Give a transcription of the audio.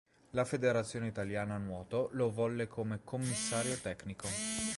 La Federazione Italiana Nuoto lo volle come commissario tecnico.